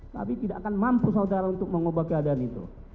tapi tidak akan mampu saudara untuk mengubah keadaan itu